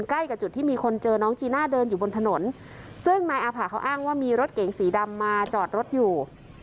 ใกล้กับจุดที่มีคนเจอน้องจีน่าเดินอยู่บนถนนซึ่งนายอาผ่าเขาอ้างว่ามีรถเก๋งสีดำมาจอดรถอยู่